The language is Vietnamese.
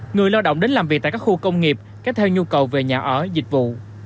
người lao động đến làm việc tại các khu công nghiệp kéo theo nhu cầu về nhà ở dịch vụ